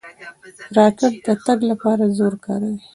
راکټ د تګ لپاره زور کاروي.